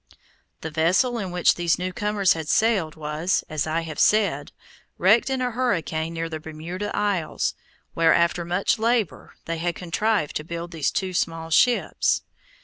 The vessel in which these new comers had sailed was, as I have said, wrecked in a hurricane near the Bermuda Isles, where, after much labor, they had contrived to build these two small ships.